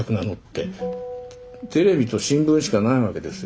テレビと新聞しかないわけですよ。